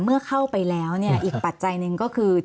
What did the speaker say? เมื่อเข้าไปแล้วเนี่ยอีกปัจจัยหนึ่งก็คือ